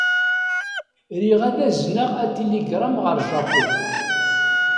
Riɣ ad azneɣ atiligṛam ɣer Japun.